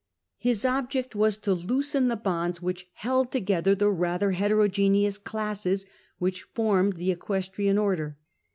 His object was to loosen the bonds which held together the rather heterogeneous classes which formed the Equestrian Order.